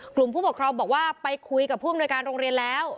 ผู้ปกครองบอกว่าไปคุยกับผู้อำนวยการโรงเรียนแล้ว